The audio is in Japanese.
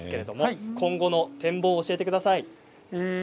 今後の展望を教えてください。